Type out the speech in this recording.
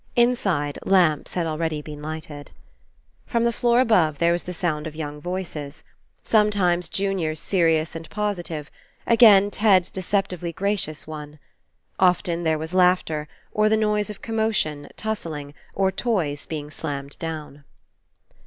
Inside, lamps had already been lighted. From the floor above there was the sound of young voices. Sometimes Junior's seri ous and positive; again, Ted's deceptively gra cious one. Often there was laughter, or the noise of commotion, tussling, or toys being slammed down.